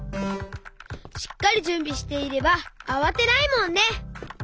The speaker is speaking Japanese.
しっかりじゅんびしていればあわてないもんね！